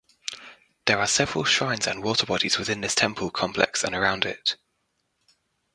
There are several shrines and waterbodies within this temple complex and around it.